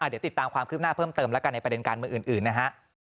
เดี๋ยวติดตามความคลิปหน้าเพิ่มเติมในประเด็นการมืออื่นนะฮะ